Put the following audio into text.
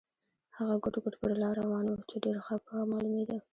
هغه ګوډ ګوډ پر لار روان و چې ډېر خپه معلومېده.